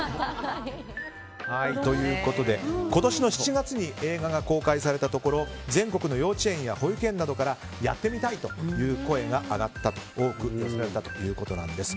今年の７月に映画が公開されたところ全国の幼稚園や保育園などからやってみたいという声が上がった多く寄せられたということなんです。